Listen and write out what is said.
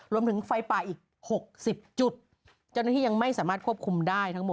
ไฟป่าอีกหกสิบจุดเจ้าหน้าที่ยังไม่สามารถควบคุมได้ทั้งหมด